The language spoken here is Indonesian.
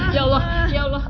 ya allah ya allah